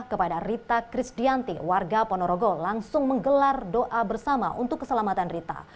kepada rita krisdianti warga ponorogo langsung menggelar doa bersama untuk keselamatan rita